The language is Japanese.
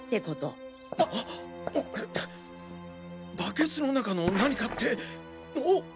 バケツの中の何かっておっ！